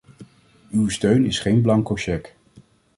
Uw steun is geen blanco cheque.